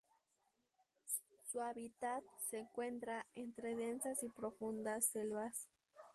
Su hábitat se encuentra entre densas y profundas selvas.